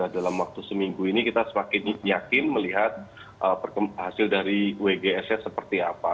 dalam waktu seminggu ini kita semakin yakin melihat hasil dari wgs nya seperti apa